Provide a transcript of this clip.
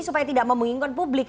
supaya tidak membingungkan publik